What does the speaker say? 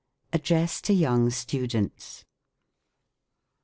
ADDRESS TO YOUNG STUDENTS.